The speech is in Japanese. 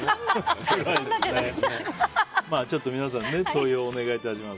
皆さん、投票をお願いします。